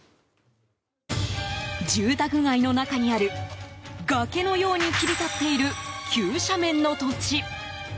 住宅街の中にある崖のように切り立っている急斜面の土地。